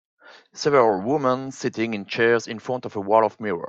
Several women sitting in chairs in front of a wall of mirrors.